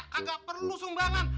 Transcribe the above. kagak perlu sumbangan